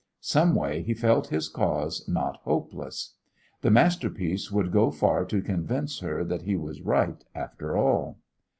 Someway he felt his cause not hopeless. This masterpiece would go far to convince her that he was right after all.